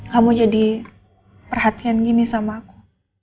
kamu jadi perhatian gini sama aku